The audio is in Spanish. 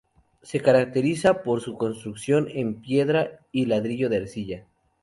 Se caracteriza por su construcción en piedra y ladrillo de arcilla.